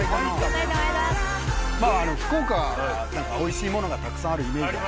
まあ福岡は美味しいものがたくさんあるイメージ。